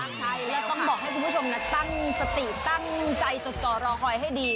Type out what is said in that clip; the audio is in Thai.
ใช่แล้วต้องบอกให้คุณผู้ชมนะตั้งสติตั้งใจจดจ่อรอคอยให้ดี